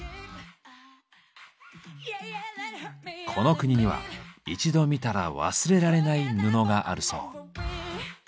この国には一度見たら忘れられない布があるそう。